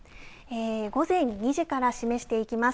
午前２時から示していきます。